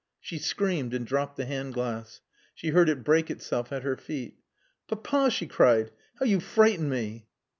She screamed and dropped the hand glass. She heard it break itself at her feet. "Papa," she cried, "how you frightened me!"